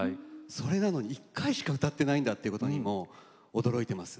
それなのに１回しか歌ってないんだっていうことにも驚いてます。